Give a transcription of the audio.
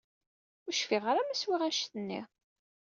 Ur cfiɣ ara ma swiɣ annect-nni.